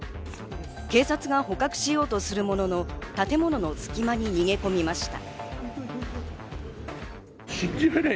警察が捕獲しようとするものの建物の隙間に逃げ込みました。